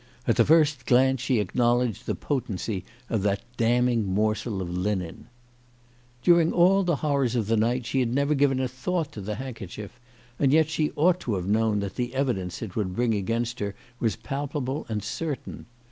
At the first glance she acknowledged the potency of that damning morsel of linen. During all the horrors of the night she had never given a thought to the handkerchief, and yet she ought to have known that the evidence it would bring against her was palpable and certain.